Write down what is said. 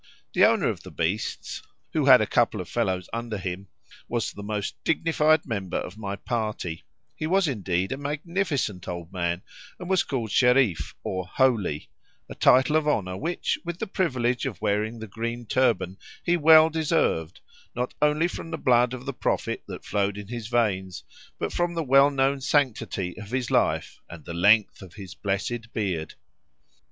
The owner of the beasts (who had a couple of fellows under him) was the most dignified member of my party; he was, indeed, a magnificent old man, and was called Shereef, or "holy"—a title of honour which, with the privilege of wearing the green turban, he well deserved, not only from the blood of the Prophet that flowed in his veins, but from the well known sanctity of his life and the length of his blessed beard.